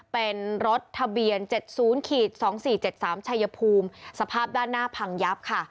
เป็นรถทะเบียน๗๐๒๔๗๓ชัยภูมิสภาพด้านหน้าพังยับค่ะ